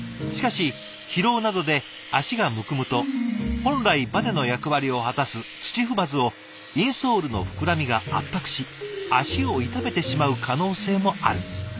しかし疲労などで足がむくむと本来バネの役割を果たす土踏まずをインソールの膨らみが圧迫し足を痛めてしまう可能性もある。